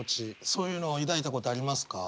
そういうのを抱いたことありますか？